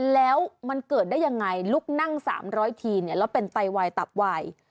แล้วมันเกิดได้ยังไงลุกนั่ง๓๐๐ทีแล้วเป็นไตวายตับวาย